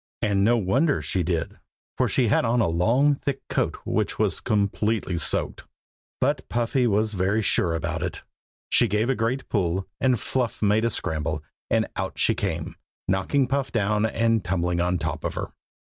And no wonder she did, for she had on a long thick coat which was completely soaked. But Puffy was very sure about it. She gave a great pull, and Fluff made a scramble, and out she came, knocking Puff down and tumbling on top of her.